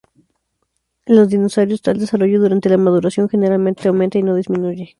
En los dinosaurios, tal desarrollo durante la maduración generalmente aumenta y no disminuye.